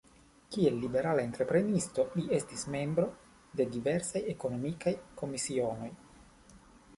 Kiel liberala entreprenisto li estis membro de diversaj ekonomikaj komisionoj.